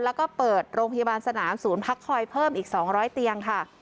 แล้วก็เปิดโรงพยาบาลสนามศูนย์พักคอยเพิ่มอีก๒๐๐เตียงค่ะ